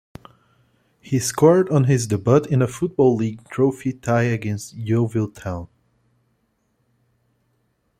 He scored on his debut in a Football League Trophy tie against Yeovil Town.